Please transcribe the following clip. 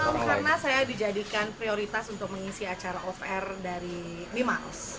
karena saya dijadikan prioritas untuk mengisi acara off air dari mimiles